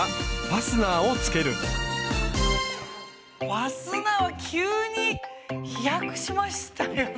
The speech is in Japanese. ファスナーは急に飛躍しましたよね。